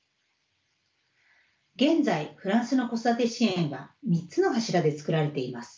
現在フランスの子育て支援は３つの柱で作られています。